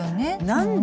「何で？」